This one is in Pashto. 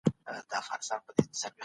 شکنجه په هره ټولنه کي د شرم وړ کار دی.